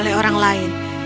tidak aku tidak